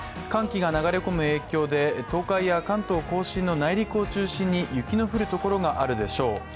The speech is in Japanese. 寒気が流れ込む影響で東海や関東甲信の内陸を中心に雪の降るところがあるでしょう。